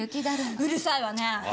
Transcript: うるさいわねえ！